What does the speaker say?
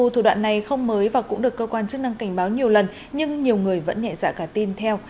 thủ đoạn này không mới và cũng được cơ quan chức năng cảnh báo nhiều lần nhưng nhiều người vẫn nhẹ dạ cả tin theo